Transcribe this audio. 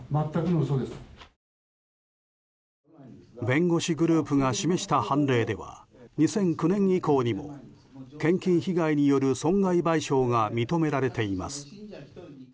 弁護士グループが示した判例では２００９年以降にも献金被害による損害賠償が認められています。